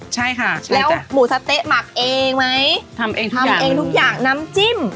ใช่ค่ะแล้วหมูสะเต๊ะหมักเองไหมทำเองทำเองทุกอย่างน้ำจิ้ม